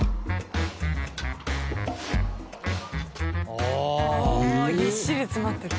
ああぎっしり詰まってる。